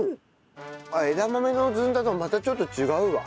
あっ枝豆のずんだとはまたちょっと違うわ。